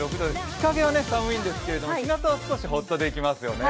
日陰は寒いんですけれどもひなたは少しほっとできますよね。